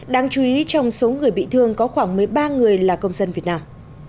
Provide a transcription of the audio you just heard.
đáng chú ý trong số người bị thương có khoảng một mươi ba người là công dân việt nam